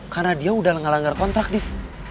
karena dia udah lengar lengar kontrak div